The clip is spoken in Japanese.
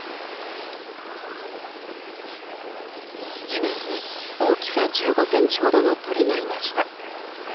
地面に大きさ１５センチほどの鳥がいました。